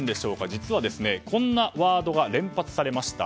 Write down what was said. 実はこんなワードが連発されました。